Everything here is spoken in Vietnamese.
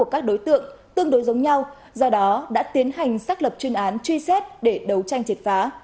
các đối tượng tương đối giống nhau do đó đã tiến hành xác lập chuyên án truy xét để đấu tranh triệt phá